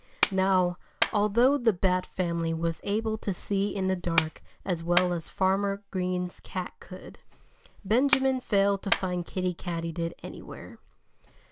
Now, although the Bat family was able to see in the dark as well as Farmer Green's cat could, Benjamin failed to find Kiddie Katydid anywhere.